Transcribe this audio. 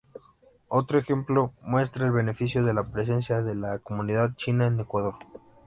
Otro ejemplo muestra el beneficio de la presencia de la comunidad china en Ecuador.